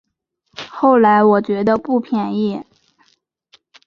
后来我觉得不便宜